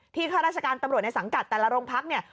ข้าราชการตำรวจในสังกัดแต่ละโรงพักเนี่ย